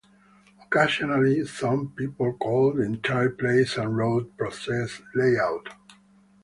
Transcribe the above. Occasionally some people call the entire place-and-route process "layout".